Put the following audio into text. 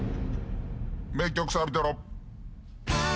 名曲サビトロ。